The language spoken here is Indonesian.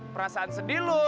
perasaan sedih lu